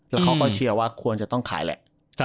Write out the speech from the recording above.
แล้วเขาก็เชื่อว่าควรจะต้องขายแหละ